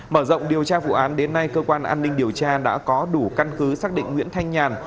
mở rộng điều tra vụ án đến nay cơ quan an ninh điều tra đã có đủ căn cứ xác định nguyễn thanh nhàn